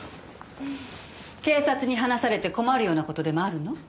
警察に話されて困るような事でもあるの？